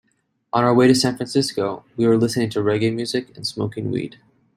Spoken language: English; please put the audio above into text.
On our way to San Francisco, we were listening to reggae music and smoking weed.